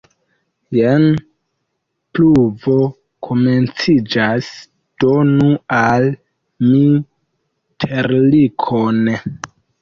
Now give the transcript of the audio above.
Jen pluvo komenciĝas, donu al mi terlikon!